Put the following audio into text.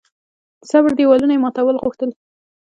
د صبر دېوالونه یې ماتول غوښتل.